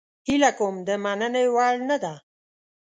هیله کوم د مننې وړ نه ده